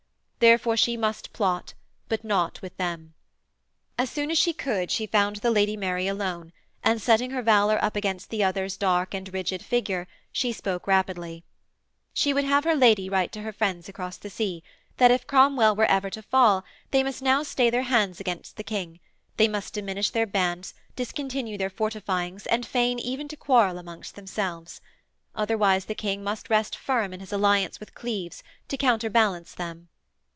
Therefore she must plot, but not with them. As soon as she could she found the Lady Mary alone, and, setting her valour up against the other's dark and rigid figure, she spoke rapidly: She would have her lady write to her friends across the sea that, if Cromwell were ever to fall, they must now stay their hands against the King: they must diminish their bands, discontinue their fortifyings and feign even to quarrel amongst themselves. Otherwise the King must rest firm in his alliance with Cleves, to counterbalance them.